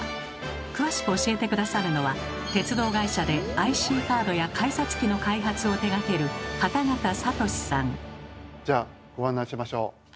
詳しく教えて下さるのは鉄道会社でＩＣカードや改札機の開発を手がけるじゃあご案内しましょう。